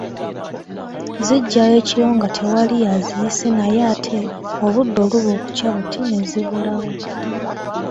Zijja ekiro nga tewali aziyise naye ate obudde oluba okukya buti ne zibulawo.